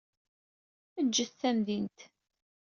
Ǧǧet tamdint.